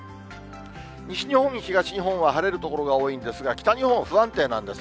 西日本、東日本は晴れる所が多いんですが、北日本、不安定なんです。